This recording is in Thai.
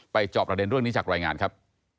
จอบประเด็นเรื่องนี้จากรายงานครับ